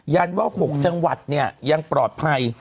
ันว่า๖จังหวัดเนี่ยยังปลอดภัย